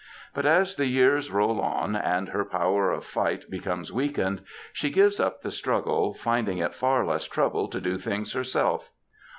But as the years roll on, and her power of fight becomes weakened, she gives up the struggle, finding 106 MEN, WOMEN, AND MINXES it far less trouble to do things herself.